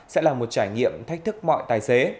sẽ là một trải nghiệm thách thức mọi tài xế